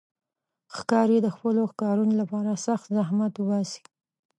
ښکاري د خپلو ښکارونو لپاره سخت زحمت باسي.